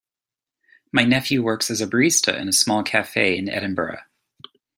My nephew works as a barista in a small cafe in Edinburgh.